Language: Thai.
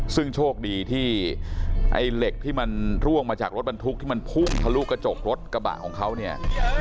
ซึ่งโชคดีที่ไอ้เหล็กที่มันร่วงมาจากรถบรรทุกที่มันพุ่งทะลุกระจกรถกระบะของเขาเนี่ย